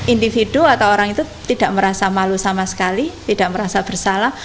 individu atau orang itu tidak merasa malu sama sekali tidak merasa bersalah